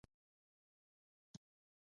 ظالم ته دلیل جوړول د زخم نښه ده.